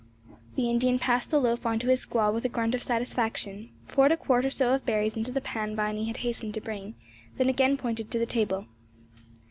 The Indian passed the loaf on to his squaw with a grunt of satisfaction, poured a quart or so of berries into the pan Viny had hastened to bring, then again pointed to the table.